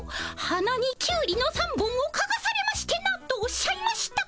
「鼻にキュウリの３本をかがされましてな」とおっしゃいました。